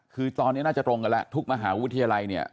คือตอนนี้น่าจะตรงกันแล้วทุกมหาวิทยาลัยเนี่ย